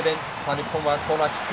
日本はコーナーキック。